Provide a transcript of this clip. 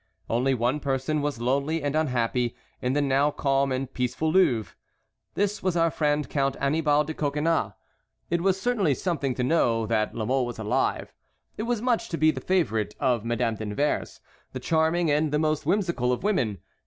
Only one person was lonely and unhappy in the now calm and peaceful Louvre. This was our friend Count Annibal de Coconnas. It was certainly something to know that La Mole was alive; it was much to be the favorite of Madame de Nevers, the most charming and the most whimsical of women.